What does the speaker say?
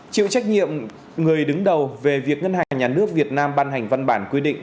chịu trách nhiệm người đứng đầu về việc ngân hàng nhà nước việt nam ban hành văn bản quy định